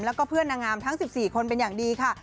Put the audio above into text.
แล้วก็เพื่อนนางงามทั้ง๑๔คนเป็นอย่างดีค่ะ